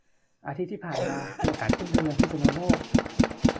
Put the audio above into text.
อาทิตย์ที่ผ่านมามีโอกาสขึ้นไปเมืองพิษณุโลก